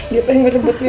dia pengen ngebut nino